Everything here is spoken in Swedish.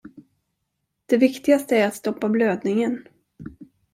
Det viktigaste är att stoppa blödningen.